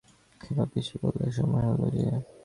ক্ষেমাপিসি বললে, সময় হল যে।